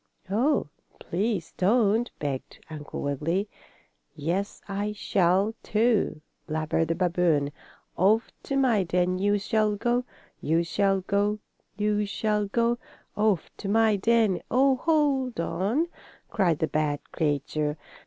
"Oh, please don't!" begged Uncle Wiggily. "Yes, I shall, too!" blabbered the babboon. "Off to my den you shall go you shall go you shall go. Off to my den. Oh, hold on!" cried the bad creature.